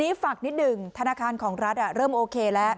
ฝากนิดหนึ่งธนาคารของรัฐเริ่มโอเคแล้ว